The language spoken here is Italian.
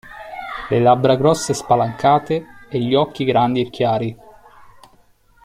Le labbra grosse spalancate, e gli occhi grandi e chiari.